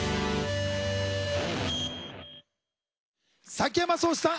崎山蒼志さん